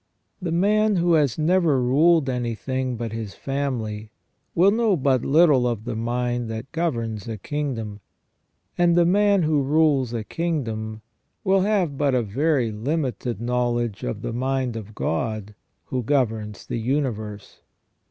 The man who has never ruled anything but his family will know but little of the mind that governs a king dom ; and the man who rules a kingdom will have but a very limited knowledge of the mind of God, who governs the universe.